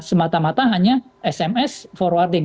semata mata hanya sms forwarding